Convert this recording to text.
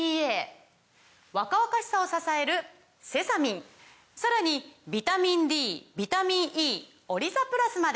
若々しさを支えるセサミンさらにビタミンＤビタミンＥオリザプラスまで！